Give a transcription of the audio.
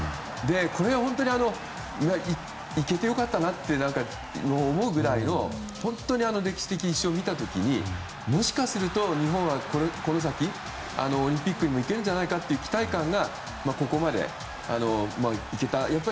これは行けて良かったなと思うぐらい歴史的１勝を見た時にもしかすると日本はこの先オリンピックに行けるんじゃないかという期待感がここまでいけたと。